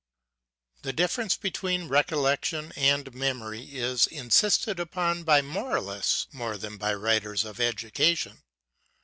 HE difference between recollection and memory is insisted upon by moralists more than by writers on education.